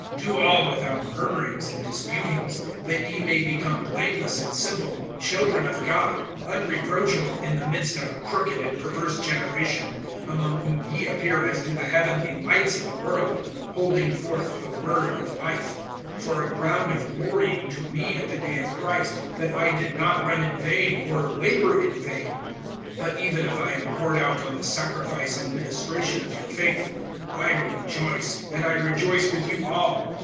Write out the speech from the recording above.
(14)Do all without murmurings and disputings; (15)that ye may become blameless and simple, children of God, unreproachable, in the midst of a crooked and perverse generation, among whom ye appear as do the heavenly lights in the world; (16)holding forth[1:16] the word of life; for a ground of glorying to me at the day of Christ, that I did not run in vain, or labor in vain. (17)But even if I am poured out on the sacrifice and ministration of your faith, I rejoice, and I rejoice with you all.